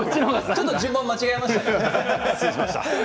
ちょっと順番間違えましたかね。